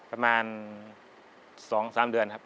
ประมาณ๒๓เดือนครับ